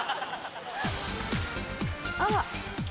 あら？